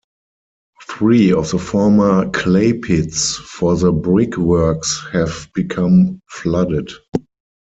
Three of the former clay pits for the brickworks have become flooded.